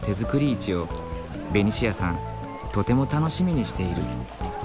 市をベニシアさんとても楽しみにしている。